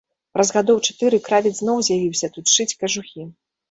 Праз гадоў чатыры кравец зноў з'явіўся тут шыць кажухі.